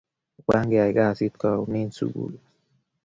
Obwan keyai kasit karun en sukul